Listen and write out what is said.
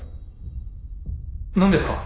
何ですか？